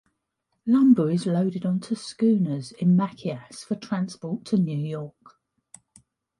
Lumber is loaded onto schooners in Machias for transport to New York.